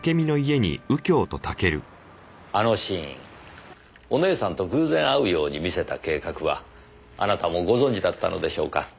あのシーンお姉さんと偶然会うように見せた計画はあなたもご存じだったのでしょうか？